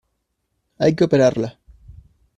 hay que operarla.